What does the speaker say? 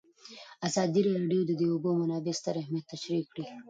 ازادي راډیو د د اوبو منابع ستر اهميت تشریح کړی.